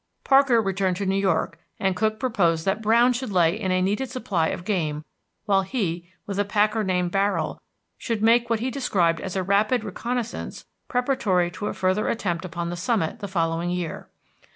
Parker returned to New York, and Cook proposed that Browne should lay in a needed supply of game while he, with a packer named Barrill, should make what he described as a rapid reconnaissance preparatory to a further attempt upon the summit the following year.